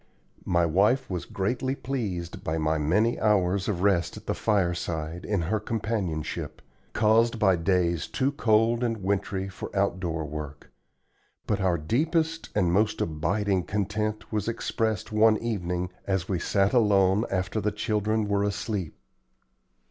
My wife was greatly pleased by my many hours of rest at the fireside in her companionship, caused by days too cold and wintry for outdoor work; but our deepest and most abiding content was expressed one evening as we sat alone after the children were asleep.